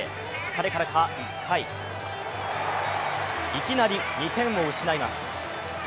疲れからか、１回、いきなり２点を失います。